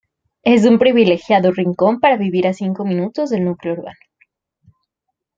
Es un privilegiado rincón para vivir a cinco minutos del núcleo urbano.